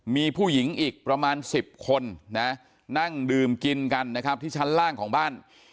มีผู้หญิงอีกประมาณ๑๐คนนะนั่งดื่มกินกันนะครับที่ชั้นล่างของบ้าน